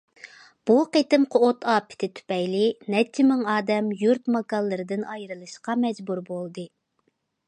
بۇ قېتىمقى ئوت ئاپىتى تۈپەيلى نەچچە مىڭ ئادەم يۇرت- ماكانلىرىدىن ئايرىلىشقا مەجبۇر بولدى.